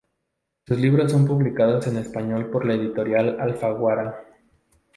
Sus libros son publicados en español por la editorial Alfaguara.